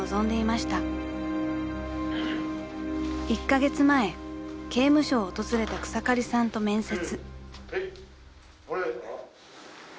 ［１カ月前刑務所を訪れた草刈さんと面接］